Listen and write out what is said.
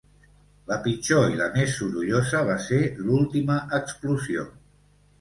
La pitjor i la més sorollosa va ser l'última explosió.